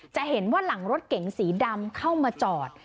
จะเห็นว่าหลังรถเก๋งสีดำเข้ามาจอด